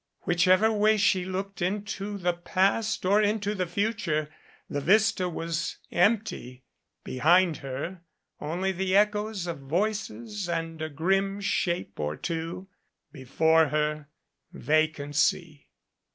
Whichever way she looked into the past or into the future, the vista was empty ; behind her only the echoes of voices and a grim shape or two ; before her vacancy.